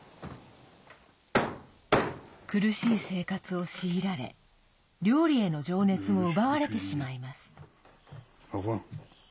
苦しい生活を強いられ料理への情熱も奪われてしまいます。